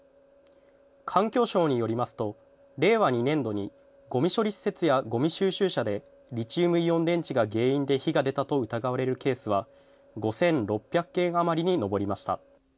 環境省によりますと令和２年度にごみ処理施設やごみ収集車でリチウムイオン電池が原因で火が出たと疑われるケースは５６００件余りに上りました。